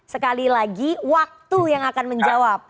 sekali lagi waktu yang akan menjawab